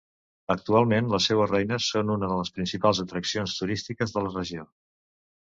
Actualment, les seues ruïnes són una de les principals atraccions turístiques de la regió.